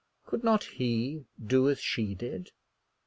Could not he do as she did?